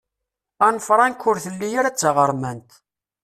Anne Frank ur telli ara d taɣermant.